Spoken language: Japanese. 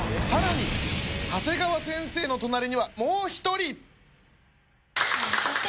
長谷川先生の隣にはもう１人。